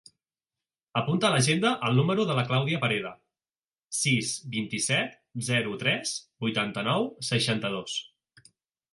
Apunta a l'agenda el número de la Clàudia Pereda: sis, vint-i-set, zero, tres, vuitanta-nou, seixanta-dos.